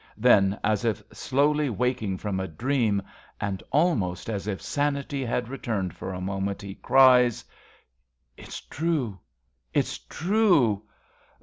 Then, as if slowly ivaking from a dream, and almost as if sanity had returned for a 7nome7it, he cries :) It's true ! It's true